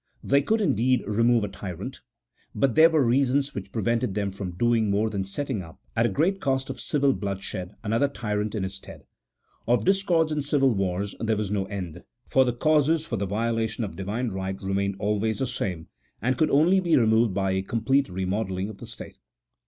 They could, indeed, remove a tyrant; but there were reasons which prevented them from doing more than setting up, at great cost of civil bloodshed, another tyrant in his stead. Of discords and civil wars there was no end, for the causes for the violation of Divine right remained always the same, and could only be removed by a complete re modelling of the state.